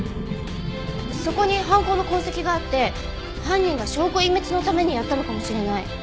そこに犯行の痕跡があって犯人が証拠隠滅のためにやったのかもしれない。